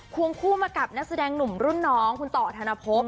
วงคู่มากับนักแสดงหนุ่มรุ่นน้องคุณต่อธนภพ